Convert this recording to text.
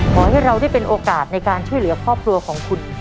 ขอให้เราได้เป็นโอกาสในการช่วยเหลือครอบครัวของคุณ